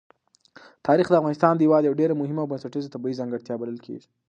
تاریخ د افغانستان هېواد یوه ډېره مهمه او بنسټیزه طبیعي ځانګړتیا بلل کېږي.